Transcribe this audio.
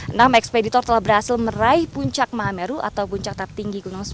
enam ekspeditor telah berhasil meraih puncak mahameru atau puncak tertinggi gunung